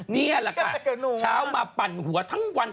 นี่แหละค่ะเช้ามาปั่นหัวทั้งวัน